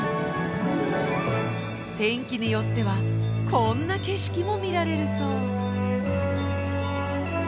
天気によってはこんな景色も見られるそう。